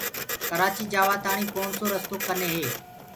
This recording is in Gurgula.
ڪرآچي جآوآ تآڻي ڪوڻسو رستو ڪني هي۔